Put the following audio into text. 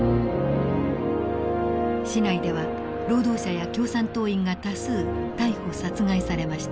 市内では労働者や共産党員が多数逮捕殺害されました。